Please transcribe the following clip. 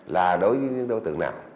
là đối với những đối tượng nào